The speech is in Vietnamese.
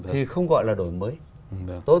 thì không gọi là đổi mới